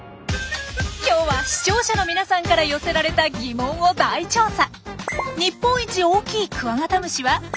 今日は視聴者の皆さんから寄せられた疑問を大調査！